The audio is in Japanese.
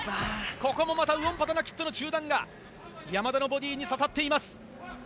ここもまたウオンパタナキットの中段が山田のボディーに刺さっています。